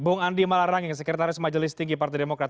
bung andi malarangeng sekretaris majelis tinggi partai demokrat